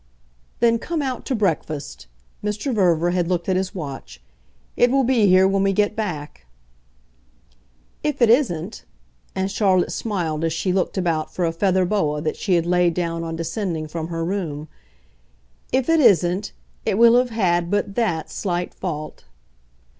"Then come out to breakfast." Mr. Verver had looked at his watch. "It will be here when we get back." "If it isn't" and Charlotte smiled as she looked about for a feather boa that she had laid down on descending from her room "if it isn't it will have had but THAT slight fault."